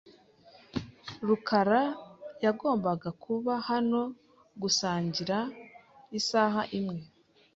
rukara yagombaga kuba hano gusangira isaha imwe .